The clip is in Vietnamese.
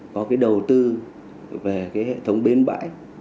có cái đầu tư về cái hệ thống bến bãi